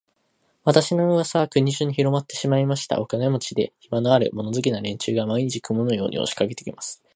私の噂は国中にひろまってしまいました。お金持で、暇のある、物好きな連中が、毎日、雲のように押しかけて来ます。